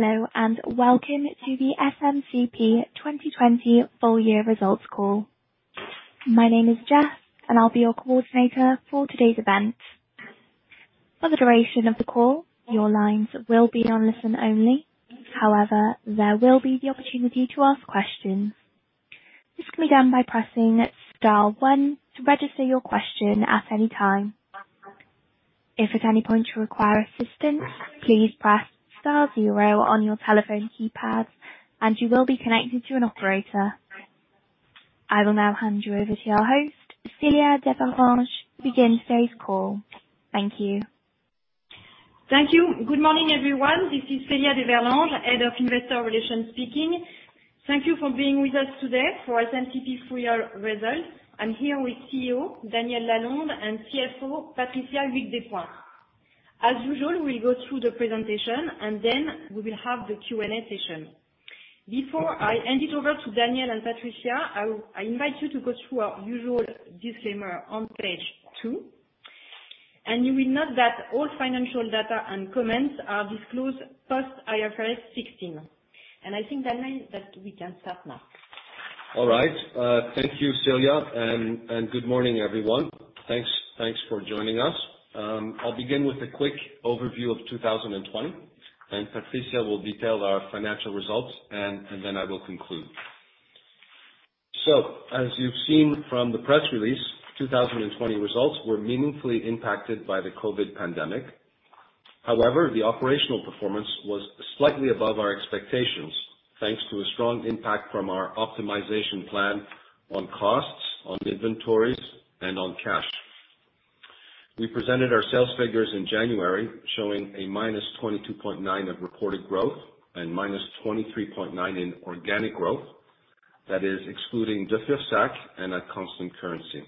Hello, and welcome to the SMCP 2020 full-year results call. My name is Jess, and I'll be your coordinator for today's event. For the duration of the call, your lines will be on listen only; however, there will be the opportunity to ask questions. This can be done by pressing star one to register your question at any time. If at any point you require assistance, please press star zero on your telephone keypad, and you will be connected to an operator. I will now hand you over to our host, Celia d'Everlanges, to begin today's call. Thank you. Thank you. Good morning, everyone. This is Celia d'Everlanges, Head of Investor Relations speaking. Thank you for being with us today for SMCP full-year results. I'm here with CEO Daniel Lalonde and CFO Patricia Despointes. As usual, we'll go through the presentation, and then we will have the Q&A session. Before I hand it over to Daniel and Patricia, I invite you to go through our usual disclaimer on page two, and you will note that all financial data and comments are disclosed post IFRS 16. I think, Daniel, that we can start now. All right. Thank you, Celia, and good morning, everyone. Thanks for joining us. I'll begin with a quick overview of 2020, and Patricia will detail our financial results, and then I will conclude. So, as you've seen from the press release, 2020 results were meaningfully impacted by the COVID pandemic. However, the operational performance was slightly above our expectations, thanks to a strong impact from our optimization plan on costs, on inventories, and on cash. We presented our sales figures in January, showing -22.9% reported growth and -23.9% organic growth, that is excluding De Fursac and at constant currency.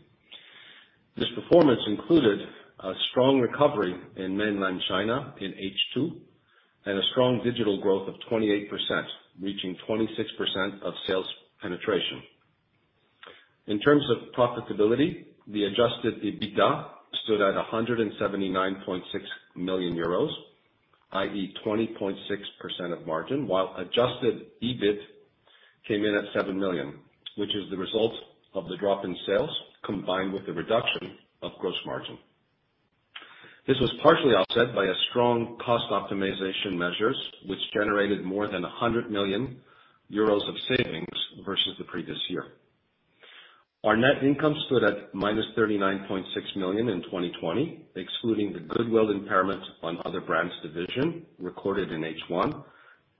This performance included a strong recovery in Mainland China in H2 and a strong digital growth of 28%, reaching 26% of sales penetration. In terms of profitability, the adjusted EBITDA stood at 179.6 million euros, i.e., 20.6% margin, while adjusted EBIT came in at 7 million, which is the result of the drop in sales combined with the reduction of gross margin. This was partially offset by strong cost optimization measures, which generated more than 100 million euros of savings versus the previous year. Our net income stood at -39.6 million in 2020, excluding the Goodwill Impairment on Other Brands division recorded in H1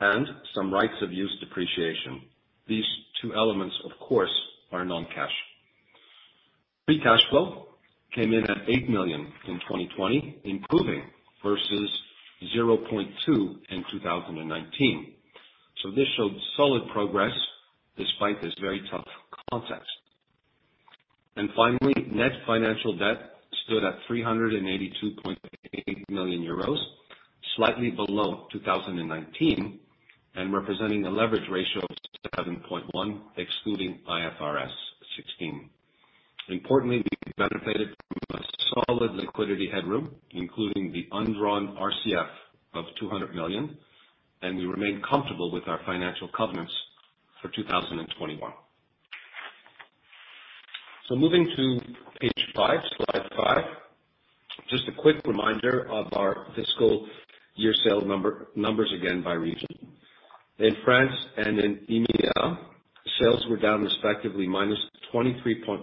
and some right-of-use depreciation. These two elements, of course, are non-cash. Free cash flow came in at 8 million in 2020, improving versus 0.2 in 2019. So this showed solid progress despite this very tough context. And finally, net financial debt stood at 382.8 million euros, slightly below 2019 and representing a leverage ratio of 7.1, excluding IFRS 16. Importantly, we benefited from a solid liquidity headroom, including the undrawn RCF of 200 million EUR, and we remained comfortable with our financial covenants for 2021. So moving to page five, slide five, just a quick reminder of our fiscal year sale numbers again by region. In France and in EMEA, sales were down respectively minus 23.1%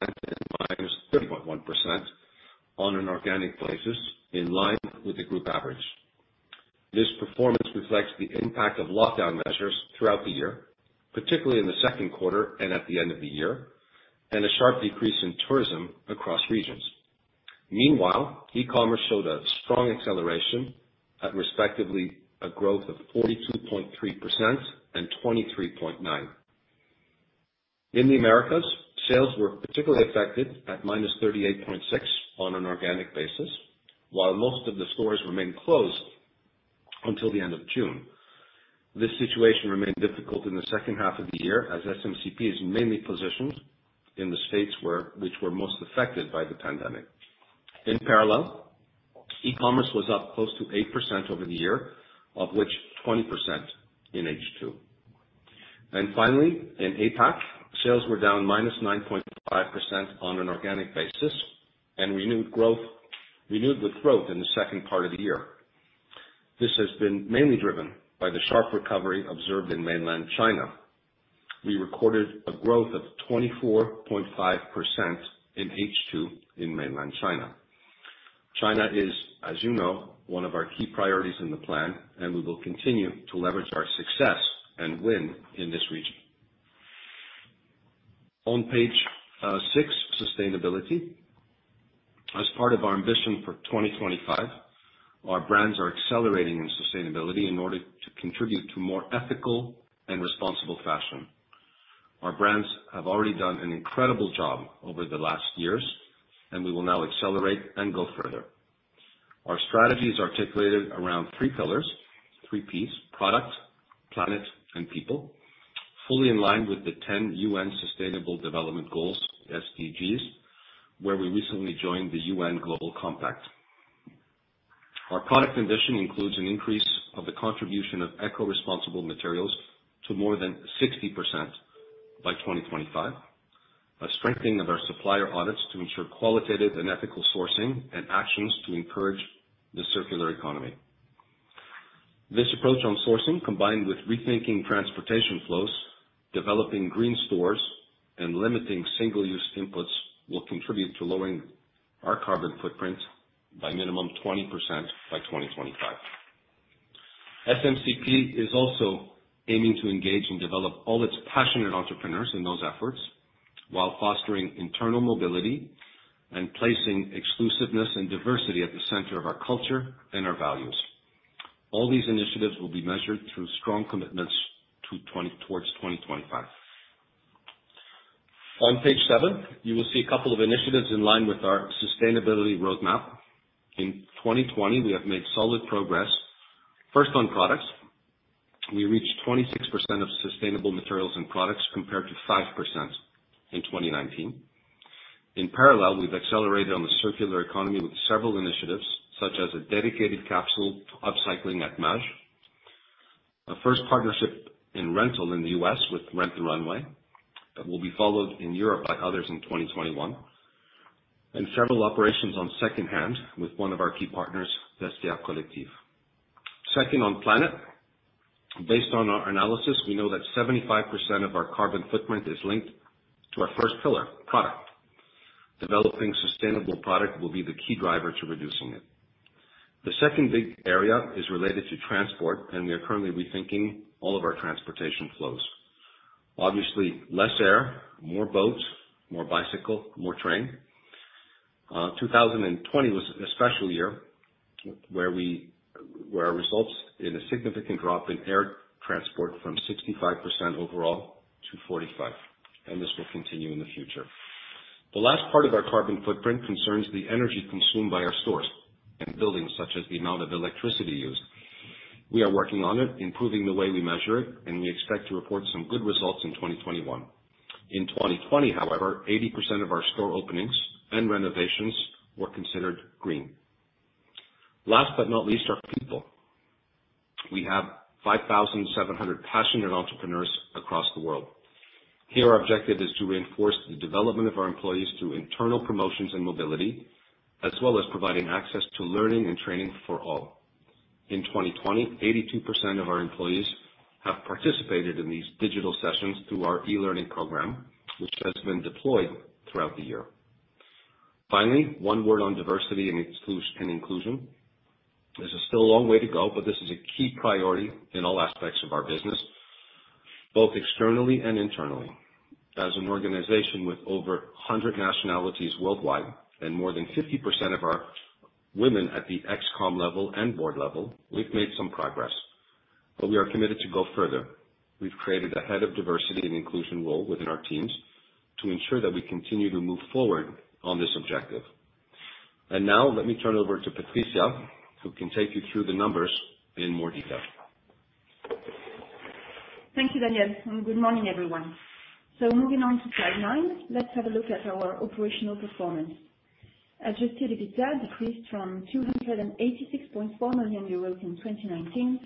and minus 30.1% on an organic basis, in line with the group average. This performance reflects the impact of lockdown measures throughout the year, particularly in the second quarter and at the end of the year, and a sharp decrease in tourism across regions. Meanwhile, e-commerce showed a strong acceleration at respectively a growth of 42.3% and 23.9%. In the Americas, sales were particularly affected at minus 38.6% on an organic basis, while most of the stores remained closed until the end of June. This situation remained difficult in the second half of the year as SMCP is mainly positioned in the states which were most affected by the pandemic. In parallel, e-commerce was up close to 8% over the year, of which 20% in H2. And finally, in APAC, sales were down -9.5% on an organic basis and renewed with growth in the second part of the year. This has been mainly driven by the sharp recovery observed in mainland China. We recorded a growth of 24.5% in H2 in mainland China. China is, as you know, one of our key priorities in the plan, and we will continue to leverage our success and win in this region. On page six, sustainability. As part of our ambition for 2025, our brands are accelerating in sustainability in order to contribute to a more ethical and responsible fashion. Our brands have already done an incredible job over the last years, and we will now accelerate and go further. Our strategy is articulated around three pillars, three P's: product, planet, and people, fully in line with the 10 UN Sustainable Development Goals, SDGs, where we recently joined the UN Global Compact. Our product ambition includes an increase of the contribution of eco-responsible materials to more than 60% by 2025, a strengthening of our supplier audits to ensure qualitative and ethical sourcing, and actions to encourage the circular economy. This approach on sourcing, combined with rethinking transportation flows, developing green stores, and limiting single-use inputs, will contribute to lowering our carbon footprint by minimum 20% by 2025. SMCP is also aiming to engage and develop all its passionate entrepreneurs in those efforts while fostering internal mobility and placing exclusiveness and diversity at the center of our culture and our values. All these initiatives will be measured through strong commitments towards 2025. On page seven, you will see a couple of initiatives in line with our sustainability roadmap. In 2020, we have made solid progress, first on products. We reached 26% of sustainable materials and products compared to 5% in 2019. In parallel, we've accelerated on the circular economy with several initiatives, such as a dedicated capsule upcycling at Maje, a first partnership in rental in the US with Rent the Runway that will be followed in Europe by others in 2021, and several operations on second hand with one of our key partners, Vestiaire Collective. Second, on planet, based on our analysis, we know that 75% of our carbon footprint is linked to our first pillar, product. Developing sustainable product will be the key driver to reducing it. The second big area is related to transport, and we are currently rethinking all of our transportation flows. Obviously, less air, more boats, more bicycle, more train. 2020 was a special year resulting in a significant drop in air transport from 65% overall to 45%, and this will continue in the future. The last part of our carbon footprint concerns the energy consumed by our stores and buildings, such as the amount of electricity used. We are working on it, improving the way we measure it, and we expect to report some good results in 2021. In 2020, however, 80% of our store openings and renovations were considered green. Last but not least, our people. We have 5,700 passionate entrepreneurs across the world. Here, our objective is to reinforce the development of our employees through internal promotions and mobility, as well as providing access to learning and training for all. In 2020, 82% of our employees have participated in these digital sessions through our e-learning program, which has been deployed throughout the year. Finally, one word on diversity and inclusion. There's still a long way to go, but this is a key priority in all aspects of our business, both externally and internally. As an organization with over 100 nationalities worldwide and more than 50% of our women at the ExCom level and board level, we've made some progress, but we are committed to go further. We've created a head of diversity and inclusion role within our teams to ensure that we continue to move forward on this objective. Now, let me turn over to Patricia, who can take you through the numbers in more detail. Thank you, Daniel, and good morning, everyone. So moving on to timeline, let's have a look at our operational performance. Adjusted EBITDA decreased from 286.4 million euros in 2019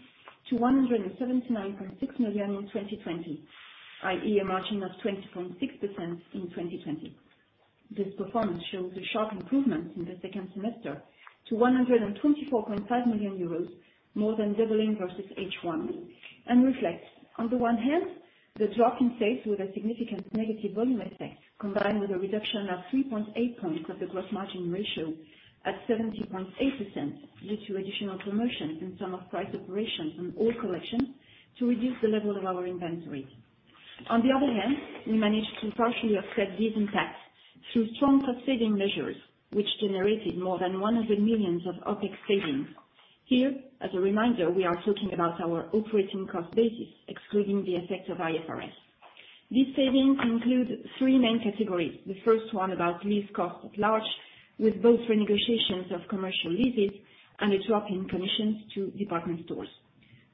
to 179.6 million in 2020, i.e., a margin of 20.6% in 2020. This performance shows a sharp improvement in the second semester to 124.5 million euros, more than doubling versus H1, and reflects, on the one hand, the drop in sales with a significant negative volume effect, combined with a reduction of 3.8 points of the gross margin ratio at 70.8% due to additional promotions and some of price operations on all collections to reduce the level of our inventory. On the other hand, we managed to partially offset these impacts through strong cost saving measures, which generated more than 100 millions of OpEx savings. Here, as a reminder, we are talking about our operating cost basis, excluding the effect of IFRS. These savings include three main categories. The first one about lease costs at large, with both renegotiations of commercial leases and a drop in commissions to department stores.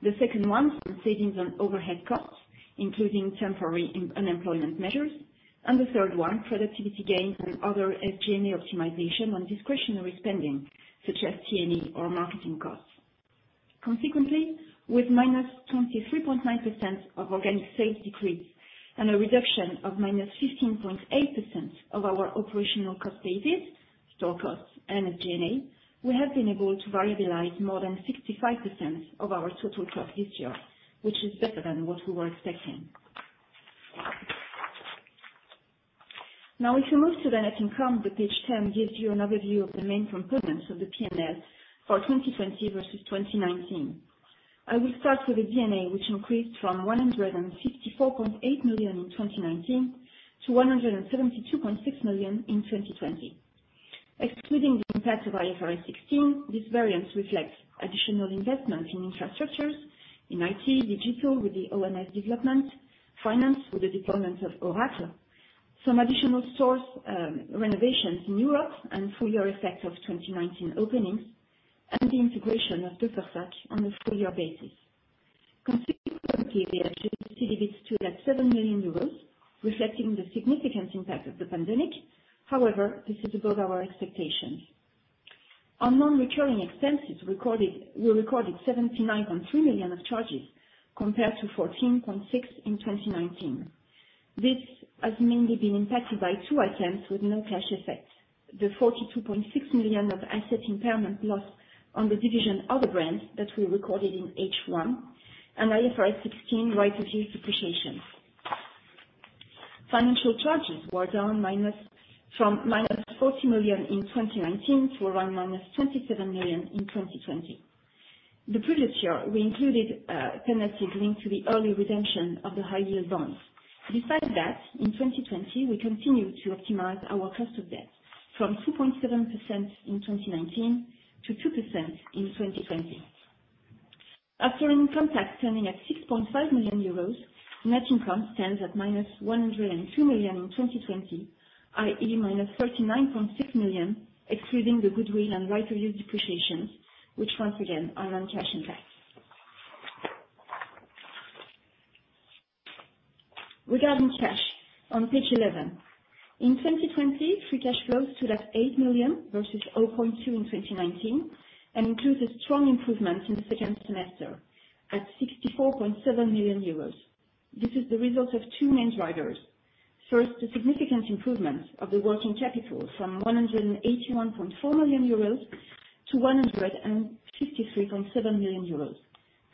The second one is savings on overhead costs, including temporary unemployment measures, and the third one, productivity gains and other SG&A optimization on discretionary spending, such as T&E or marketing costs. Consequently, with minus 23.9% of organic sales decrease and a reduction of minus 15.8% of our operational cost basis, store costs and SG&A, we have been able to variabilize more than 65% of our total cost this year, which is better than what we were expecting. Now, if you move to the net income, the page 10 gives you an overview of the main components of the P&L for 2020 versus 2019. I will start with the D&A, which increased from 154.8 million EUR in 2019 to 172.6 million EUR in 2020. Excluding the impact of IFRS 16, this variance reflects additional investments in infrastructures, in IT, digital with the OMS development, finance with the deployment of Oracle, some additional stores renovations in Europe, and full-year effect of 2019 openings, and the integration of the first SAC on a full-year basis. Consequently, the adjusted EBIT still at 7 million euros, reflecting the significant impact of the pandemic. However, this is above our expectations. On non-recurring expenses, we recorded 79.3 million EUR of charges compared to 14.6 million EUR in 2019. This has mainly been impacted by two items with no cash effect: the 42.6 million EUR of asset impairment loss on the division other brands that we recorded in H1 and IFRS 16 right-of-use depreciation. Financial charges were down from -40 million in 2019 to around -27 million in 2020. The previous year, we included penalties linked to the early redemption of the high-yield bonds. Besides that, in 2020, we continued to optimize our cost of debt from 2.7% in 2019 to 2% in 2020. After an income tax turning at 6.5 million euros, net income stands at -102 million in 2020, i.e., -39.6 million, excluding the goodwill and right of use depreciations, which once again are non-cash impacts. Regarding cash, on page 11, in 2020, free cash flows stood at 8 million versus 0.2 million in 2019 and included strong improvements in the second semester at 64.7 million euros. This is the result of two main drivers. First, the significant improvement of the working capital from 181.4 million euros to 153.7 million euros,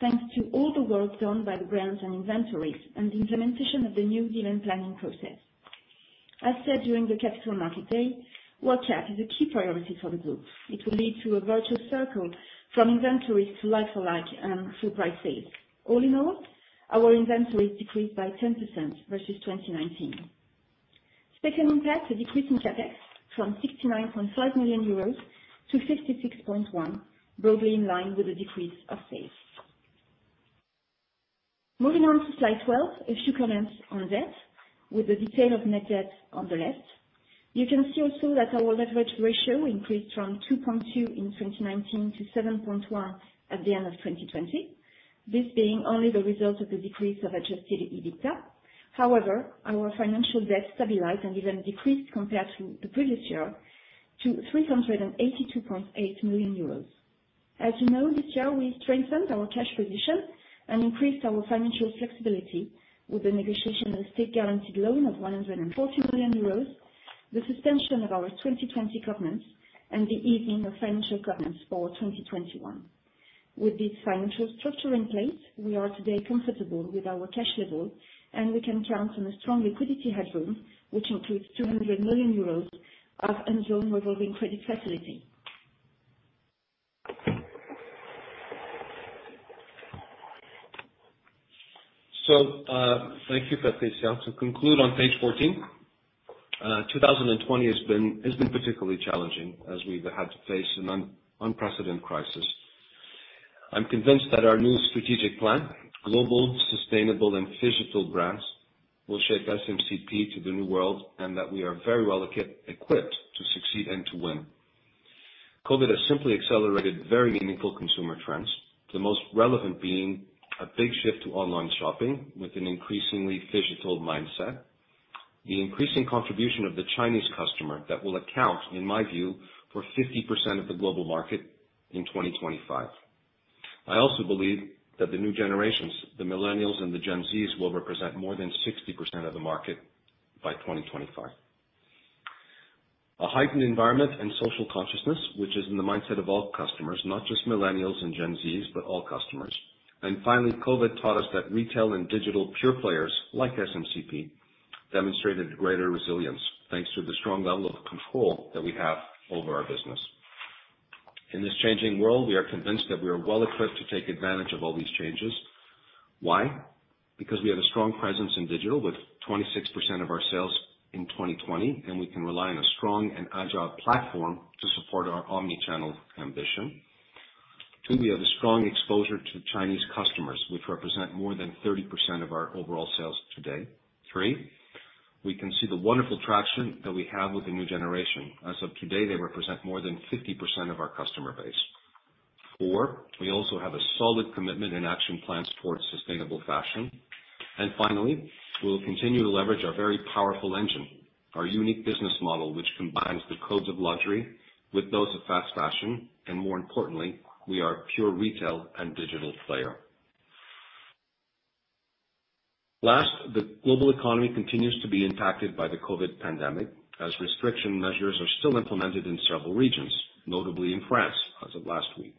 thanks to all the work done by the brands and inventories and the implementation of the new demand planning process. As said during the capital market day, work cap is a key priority for the group. It will lead to a virtual circle from inventories to like-for-like and full-price sales. All in all, our inventories decreased by 10% versus 2019. Second impact, a decrease in CapEx from 69.5 million euros to 56.1 million, broadly in line with the decrease of sales. Moving on to slide 12, a few comments on debt, with the detail of net debt on the left. You can see also that our leverage ratio increased from 2.2 in 2019 to 7.1 at the end of 2020, this being only the result of the decrease of adjusted EBITDA. However, our financial debt stabilized and even decreased compared to the previous year to 382.8 million euros. As you know, this year, we strengthened our cash position and increased our financial flexibility with the negotiation of a state-guaranteed loan of 140 million euros, the suspension of our 2020 covenants, and the easing of financial covenants for 2021. With this financial structure in place, we are today comfortable with our cash level, and we can count on a strong liquidity headroom, which includes 200 million euros of undrawn revolving credit facility. So thank you, Patricia. To conclude on page 14, 2020 has been particularly challenging as we've had to face an unprecedented crisis. I'm convinced that our new strategic plan, global, sustainable, and physical brands, will shape SMCP to the new world and that we are very well equipped to succeed and to win. COVID has simply accelerated very meaningful consumer trends, the most relevant being a big shift to online shopping with an increasingly physical mindset, the increasing contribution of the Chinese customer that will account, in my view, for 50% of the global market in 2025. I also believe that the new generations, the millennials and the Gen Zs, will represent more than 60% of the market by 2025. A heightened environment and social consciousness, which is in the mindset of all customers, not just millennials and Gen Zs, but all customers. And finally, COVID taught us that retail and digital pure players like SMCP demonstrated greater resilience thanks to the strong level of control that we have over our business. In this changing world, we are convinced that we are well equipped to take advantage of all these changes. Why? Because we have a strong presence in digital with 26% of our sales in 2020, and we can rely on a strong and agile platform to support our omnichannel ambition. Two, we have a strong exposure to Chinese customers, which represent more than 30% of our overall sales today. Three, we can see the wonderful traction that we have with the new generation. As of today, they represent more than 50% of our customer base. Four, we also have a solid commitment and action plans towards sustainable fashion. Finally, we will continue to leverage our very powerful engine, our unique business model, which combines the codes of luxury with those of fast fashion, and more importantly, we are a pure retail and digital player. Last, the global economy continues to be impacted by the COVID pandemic as restriction measures are still implemented in several regions, notably in France as of last week.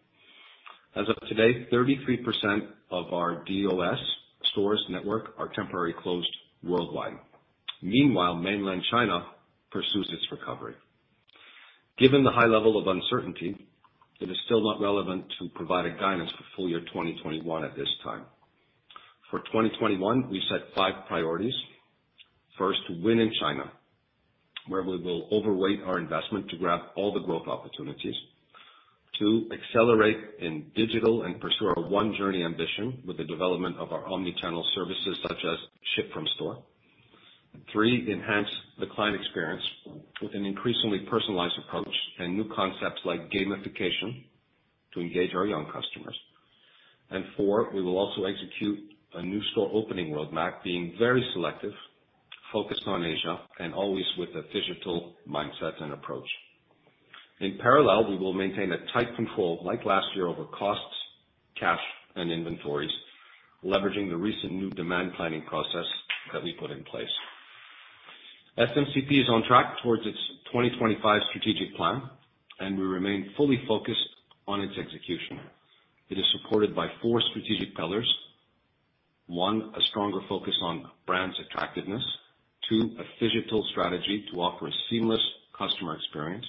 As of today, 33% of our DOS stores network are temporarily closed worldwide. Meanwhile, Mainland China pursues its recovery. Given the high level of uncertainty, it is still not relevant to provide a guidance for full-year 2021 at this time. For 2021, we set five priorities. First, to win in China, where we will overweight our investment to grab all the growth opportunities. Two, accelerate in digital and pursue our one journey ambition with the development of our omnichannel services such as ship from store. Three, enhance the client experience with an increasingly personalized approach and new concepts like gamification to engage our young customers, and four, we will also execute a new store opening roadmap, being very selective, focused on Asia, and always with a physical mindset and approach. In parallel, we will maintain a tight control, like last year, over costs, cash, and inventories, leveraging the recent new demand planning process that we put in place. SMCP is on track towards its 2025 strategic plan, and we remain fully focused on its execution. It is supported by four strategic pillars. One, a stronger focus on brand attractiveness. Two, a physical strategy to offer a seamless customer experience.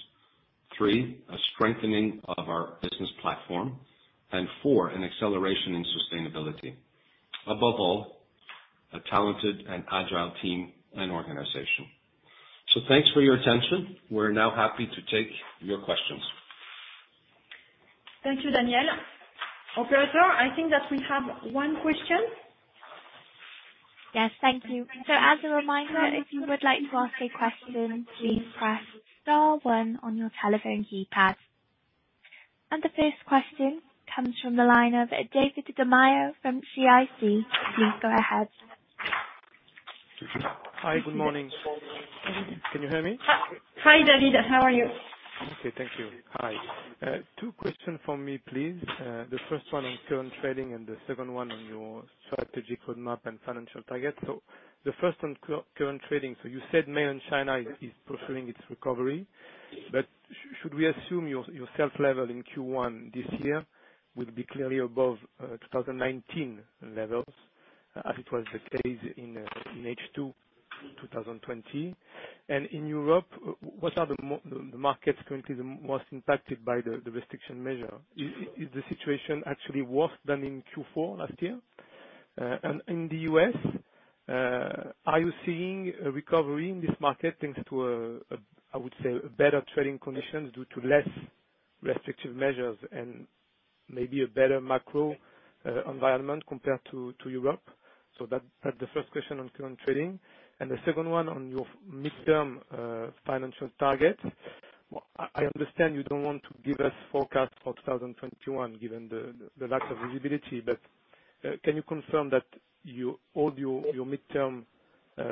Three, a strengthening of our business platform, and four, an acceleration in sustainability. Above all, a talented and agile team and organization, so thanks for your attention. We're now happy to take your questions. Thank you, Daniel. Operator, I think that we have one question. Yes, thank you, so as a reminder, if you would like to ask a question, please press star one on your telephone keypad, and the first question comes from the line of David Da Maia from CIC. Please go ahead. Hi, good morning. Can you hear me? Hi, David. How are you? Okay, thank you. Hi. Two questions for me, please. The first one on current trading and the second one on your strategic roadmap and financial targets. So the first on current trading, so you said Mainland China is pursuing its recovery, but should we assume your sales level in Q1 this year will be clearly above 2019 levels, as it was the case in H2 2020? And in Europe, what are the markets currently the most impacted by the restriction measure? Is the situation actually worse than in Q4 last year? And in the U.S., are you seeing a recovery in this market thanks to, I would say, better trading conditions due to less restrictive measures and maybe a better macro environment compared to Europe? So that's the first question on current trading. And the second one on your midterm financial target. I understand you don't want to give us forecasts for 2021 given the lack of visibility, but can you confirm that all your midterm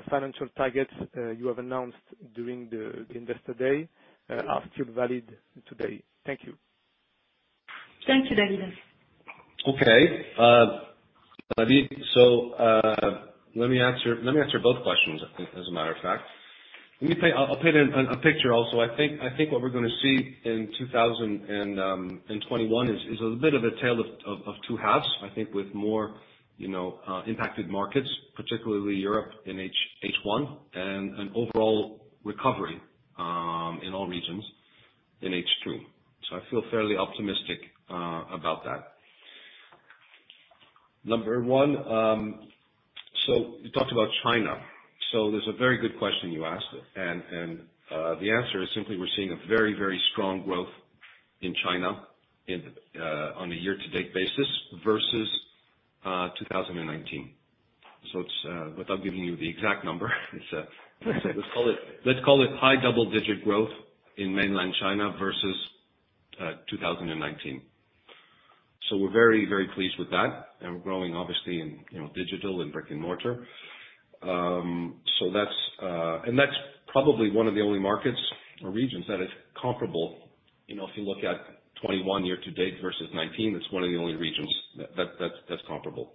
financial targets you have announced during the investor day are still valid today? Thank you. Thank you, David. Okay. So let me answer both questions, as a matter of fact. I'll paint a picture also. I think what we're going to see in 2021 is a bit of a tale of two halves, I think, with more impacted markets, particularly Europe in H1, and an overall recovery in all regions in H2. So I feel fairly optimistic about that. Number one, so you talked about China. So there's a very good question you asked, and the answer is simply we're seeing a very, very strong growth in China on a year-to-date basis versus 2019. So without giving you the exact number, let's call it high double-digit growth in mainland China versus 2019. So we're very, very pleased with that, and we're growing, obviously, in digital and brick and mortar. And that's probably one of the only markets or regions that is comparable. If you look at 2021 year-to-date versus 2019, it's one of the only regions that's comparable.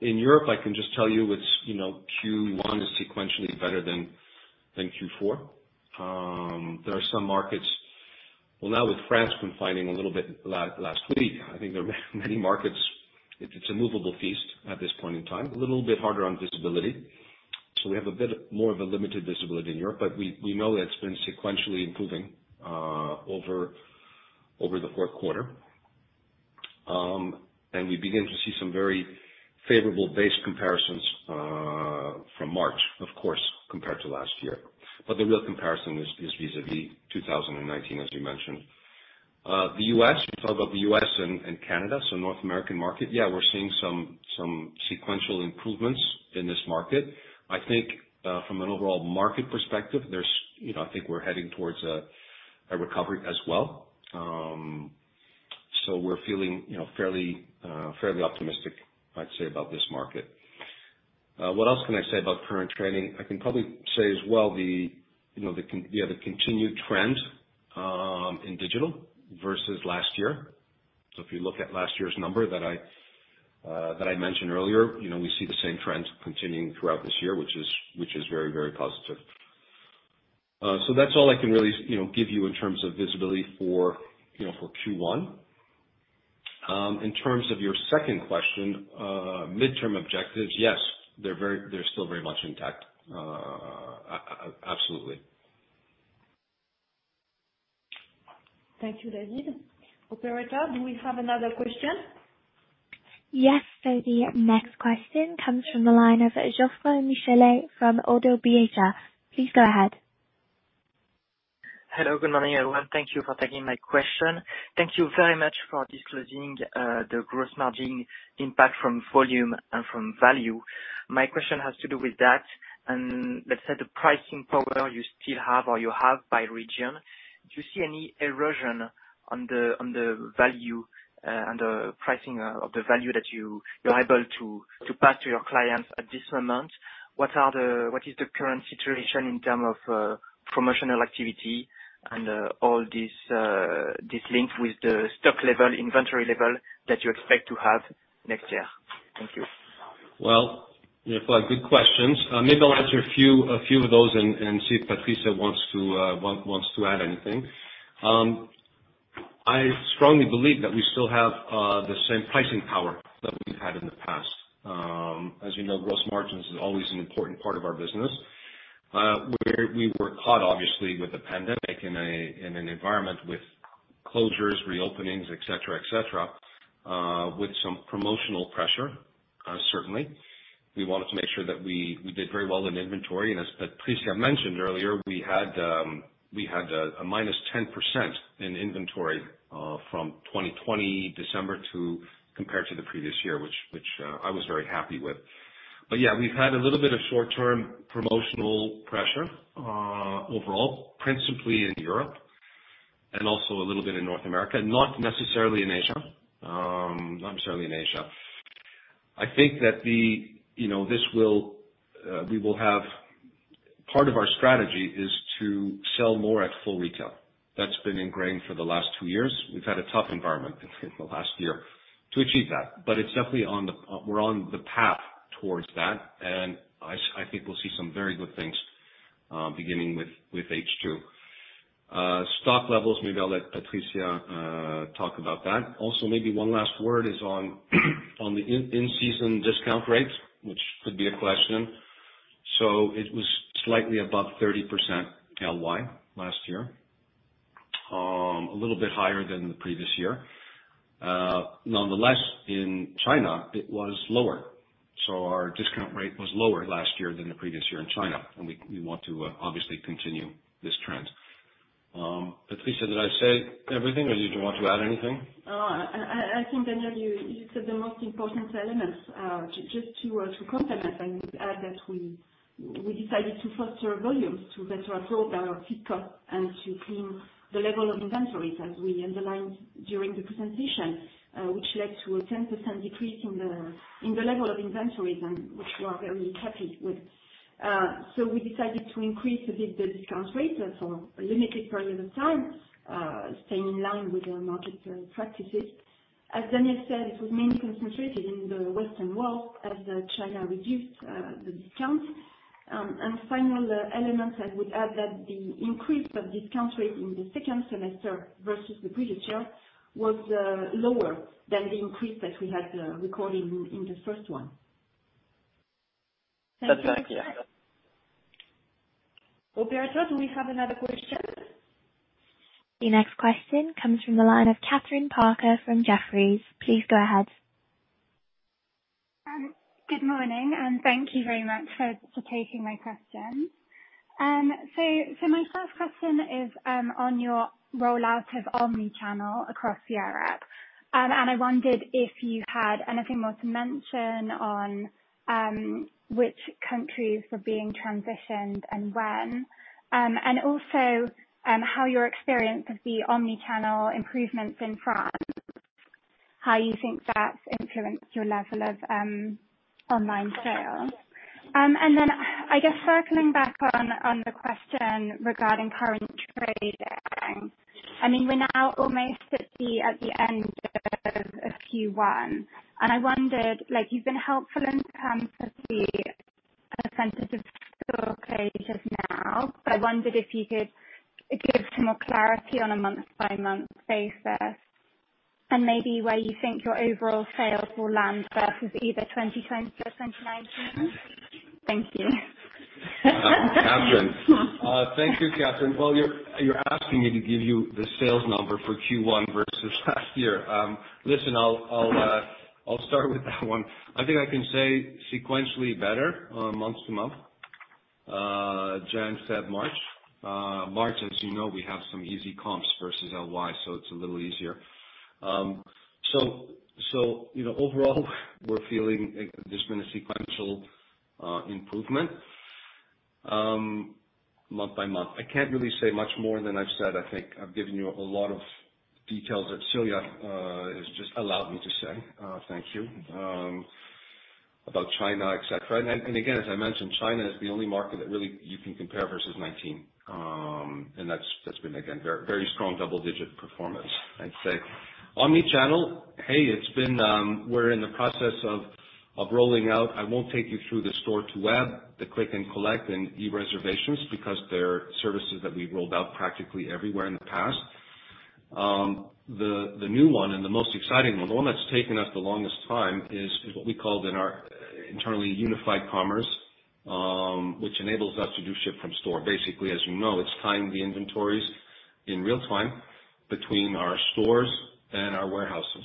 In Europe, I can just tell you Q1 is sequentially better than Q4. There are some markets. Well, now with France confining a little bit last week, I think there are many markets. It's a movable feast at this point in time, a little bit harder on visibility. So we have a bit more of a limited visibility in Europe, but we know that it's been sequentially improving over the fourth quarter and we begin to see some very favorable base comparisons from March, of course, compared to last year but the real comparison is vis-à-vis 2019, as you mentioned. The U.S., we talked about the U.S. and Canada, so North American market. Yeah, we're seeing some sequential improvements in this market. I think from an overall market perspective, I think we're heading towards a recovery as well. So we're feeling fairly optimistic, I'd say, about this market. What else can I say about current trading? I can probably say as well the continued trend in digital versus last year. So if you look at last year's number that I mentioned earlier, we see the same trend continuing throughout this year, which is very, very positive. So that's all I can really give you in terms of visibility for Q1. In terms of your second question, midterm objectives, yes, they're still very much intact. Absolutely. Thank you, David. Operator, do we have another question? Yes, so the next question comes from the line of Geoffroy Michalet from Oddo BHF. Please go ahead. Hello, good morning, everyone. Thank you for taking my question. Thank you very much for disclosing the gross margin impact from volume and from value. My question has to do with that, and let's say the pricing power you still have or you have by region. Do you see any erosion on the value and the pricing of the value that you are able to pass to your clients at this moment? What is the current situation in terms of promotional activity and all this link with the stock level, inventory level that you expect to have next year? Thank you. We have a lot of good questions. Maybe I'll answer a few of those and see if Patricia wants to add anything. I strongly believe that we still have the same pricing power that we've had in the past. As you know, gross margins is always an important part of our business. We were caught, obviously, with the pandemic in an environment with closures, reopenings, etc., etc., with some promotional pressure, certainly. We wanted to make sure that we did very well in inventory. And as Patricia mentioned earlier, we had a -10% in inventory from 2020 December compared to the previous year, which I was very happy with. But yeah, we've had a little bit of short-term promotional pressure overall, principally in Europe and also a little bit in North America, not necessarily in Asia, not necessarily in Asia. I think that we will have part of our strategy is to sell more at full retail. That's been ingrained for the last two years. We've had a tough environment in the last year to achieve that. But it's definitely on the path towards that, and I think we'll see some very good things beginning with H2. Stock levels, maybe I'll let Patricia talk about that. Also, maybe one last word is on the in-season discount rates, which could be a question. It was slightly above 30% LY last year, a little bit higher than the previous year. Nonetheless, in China, it was lower. So our discount rate was lower last year than the previous year in China, and we want to obviously continue this trend. Patricia, did I say everything, or did you want to add anything? I think, Daniel, you said the most important elements. Just to complement, I would add that we decided to foster volumes to better approach our fixed costs and to clean the level of inventories as we underlined during the presentation, which led to a 10% decrease in the level of inventories, which we are very happy with, so we decided to increase a bit the discount rate for a limited period of time, staying in line with the market practices. As Daniel said, it was mainly concentrated in the Western world as China reduced the discounts, and final element, I would add that the increase of discount rate in the second semester versus the previous year was lower than the increase that we had recorded in the first one. That's exactly it. Operator, do we have another question? The next question comes from the line of Kathryn Parker from Jefferies. Please go ahead. Good morning, and thank you very much for taking my question. So my first question is on your rollout of omnichannel across Europe. And I wondered if you had anything more to mention on which countries were being transitioned and when, and also how your experience of the omnichannel improvements in France, how you think that's influenced your level of online sales. And then, I guess, circling back on the question regarding current trading, I mean, we're now almost at the end of Q1. And I wondered, you've been helpful in terms of the incentive stock rate just now, but I wondered if you could give some more clarity on a month-by-month basis and maybe where you think your overall sales will land versus either 2020 or 2019. Thank you. Kathryn. Thank you, Kathryn. You're asking me to give you the sales number for Q1 versus last year. Listen, I'll start with that one. I think I can say sequentially better month-to-month. January and March. March, as you know, we have some easy comps versus LY, so it's a little easier. So overall, we're feeling there's been a sequential improvement month-by-month. I can't really say much more than I've said. I think I've given you a lot of details that Celia has just allowed me to say. Thank you about China, etc. And again, as I mentioned, China is the only market that really you can compare versus 2019. And that's been, again, very strong double-digit performance, I'd say. Omnichannel, hey, it's been we're in the process of rolling out. I won't take you through the store-to-web, the click and collect, and e-reservations because they're services that we've rolled out practically everywhere in the past. The new one and the most exciting one, the one that's taken us the longest time, is what we call our internal unified commerce, which enables us to do ship from store. Basically, as you know, it's tying the inventories in real time between our stores and our warehouses,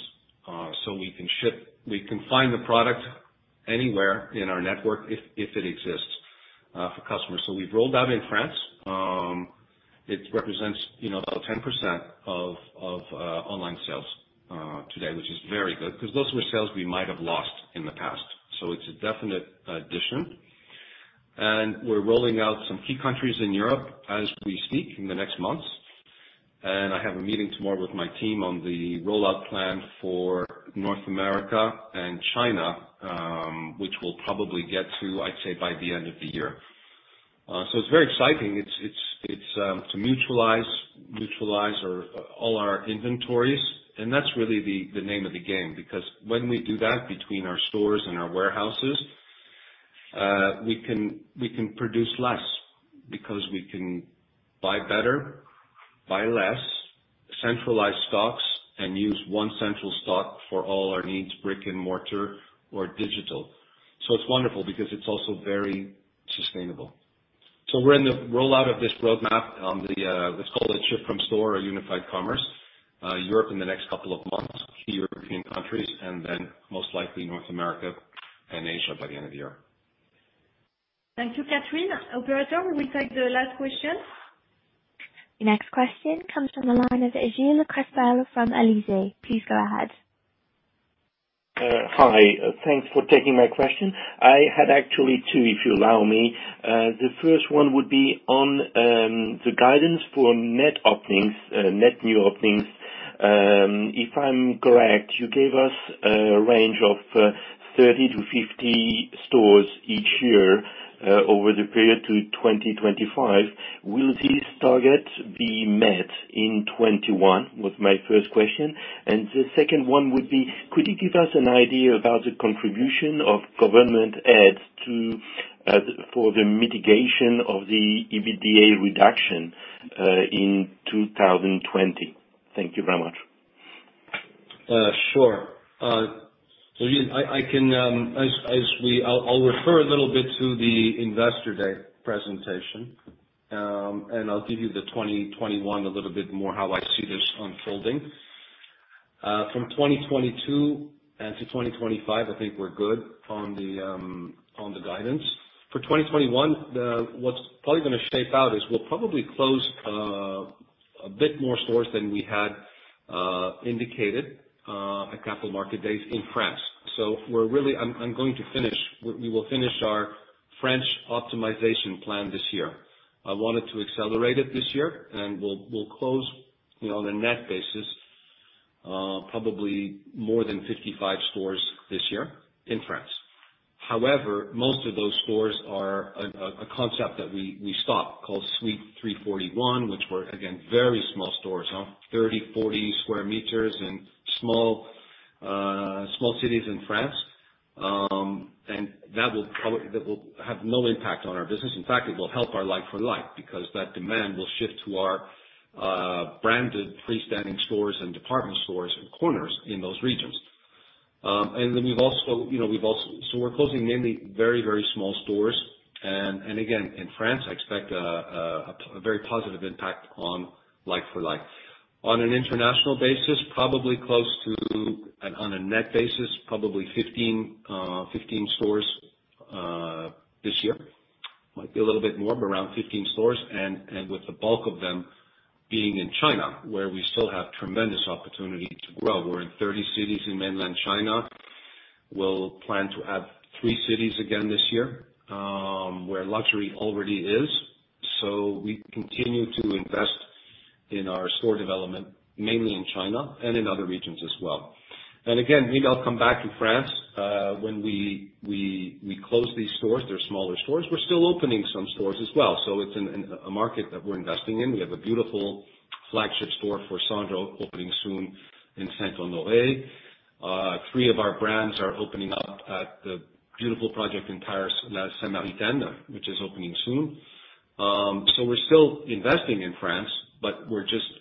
so we can ship, we can find the product anywhere in our network if it exists for customers, so we've rolled out in France. It represents about 10% of online sales today, which is very good because those were sales we might have lost in the past, so it's a definite addition, and we're rolling out some key countries in Europe as we speak in the next months. And I have a meeting tomorrow with my team on the rollout plan for North America and China, which we'll probably get to, I'd say, by the end of the year. So it's very exciting. It's to mutualize all our inventories. And that's really the name of the game because when we do that between our stores and our warehouses, we can produce less because we can buy better, buy less, centralize stocks, and use one central stock for all our needs, brick and mortar or digital. So it's wonderful because it's also very sustainable. So we're in the rollout of this roadmap on, then let's call it, ship from store or unified commerce Europe in the next couple of months, key European countries, and then most likely North America and Asia by the end of the year. Thank you, Kathryn. Operator, we will take the last question. The next question comes from the line of Gilles Crespel from Alizé. Please go ahead. Hi. Thanks for taking my question. I had actually two, if you allow me. The first one would be on the guidance for net openings, net new openings. If I'm correct, you gave us a range of 30-50 stores each year over the period to 2025. Will these targets be met in 2021 was my first question. And the second one would be, could you give us an idea about the contribution of government aids for the mitigation of the EBITDA reduction in 2020? Thank you very much. Sure. So Gilles, I can, as we'll refer a little bit to the investor day presentation, and I'll give you the 2021 a little bit more how I see this unfolding. From 2022 to 2025, I think we're good on the guidance. For 2021, what's probably going to shape out is we'll probably close a bit more stores than we had indicated at capital market days in France. So we're really going to finish. We will finish our French optimization plan this year. I wanted to accelerate it this year, and we'll close on a net basis probably more than 55 stores this year in France. However, most of those stores are a concept that we stopped called Suite 341, which were, again, very small stores, 30-40 square meters in small cities in France. And that will have no impact on our business. In fact, it will help our like-for-like because that demand will shift to our branded freestanding stores and department stores and corners in those regions. And then we've also so we're closing mainly very, very small stores. And again, in France, I expect a very positive impact on like-for-like. On an international basis, probably close to on a net basis, probably 15 stores this year. Might be a little bit more, but around 15 stores. And with the bulk of them being in China, where we still have tremendous opportunity to grow. We're in 30 cities in mainland China. We'll plan to add three cities again this year, where luxury already is. So we continue to invest in our store development, mainly in China and in other regions as well. And again, maybe I'll come back to France. When we close these stores, they're smaller stores. We're still opening some stores as well. So it's a market that we're investing in. We have a beautiful flagship store for Sandro opening soon in Saint-Honoré. Three of our brands are opening up at the beautiful project in Paris, La Samaritaine, which is opening soon. So we're still investing in France, but we're just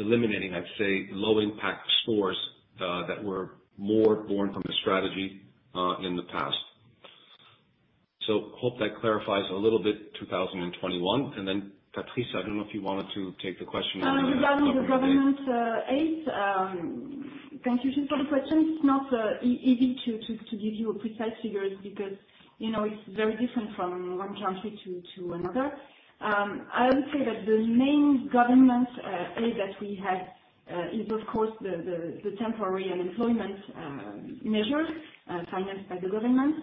eliminating, I'd say, low-impact stores that were more born from the strategy in the past. So hope that clarifies a little bit 2021. And then, Patricia, I don't know if you wanted to take the question. Regarding the government aids, thank you for the question. It's not easy to give you precise figures because it's very different from one country to another. I would say that the main government aid that we have is, of course, the temporary unemployment measures financed by the government.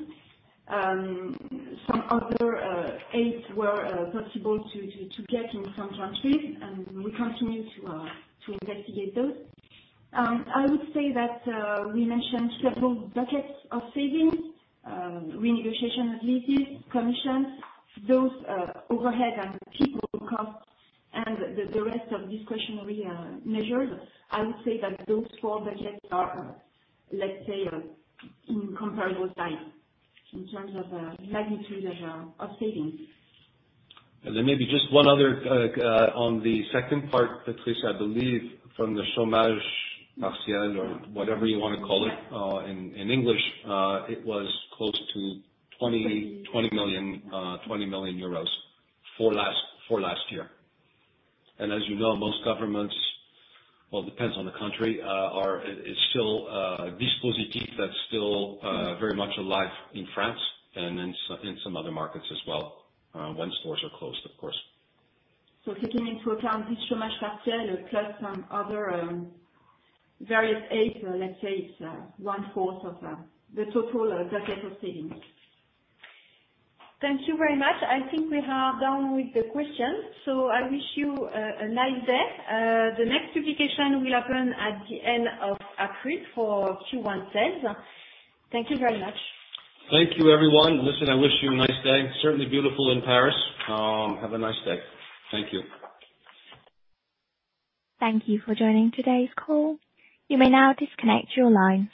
Some other aids were possible to get in some countries, and we continue to investigate those. I would say that we mentioned several buckets of savings, renegotiation of leases, commissions, those overhead and people costs, and the rest of these quarantine measures. I would say that those four buckets are, let's say, in comparable size in terms of magnitude of savings. And then maybe just one other on the second part, Patricia. I believe from the chômage partiel or whatever you want to call it in English, it was close to 20 million euros for last year. And as you know, most governments, well, it depends on the country, are it's still dispositif that's still very much alive in France and in some other markets as well when stores are closed, of course. So taking into account this chômage partiel plus some other various aids, let's say it's one-fourth of the total bucket of savings. Thank you very much. I think we are done with the questions. So I wish you a nice day. The next publication will happen at the end of April for Q1 sales. Thank you very much. Thank you, everyone. Listen, I wish you a nice day. Certainly beautiful in Paris. Have a nice day. Thank you. Thank you for joining today's call. You may now disconnect your line.